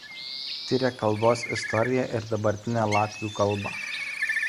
Tiria kalbos istoriją ir dabartinę latvių kalbą.